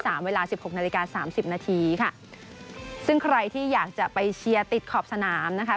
เวลาสิบหกนาฬิกาสามสิบนาทีค่ะซึ่งใครที่อยากจะไปเชียร์ติดขอบสนามนะคะ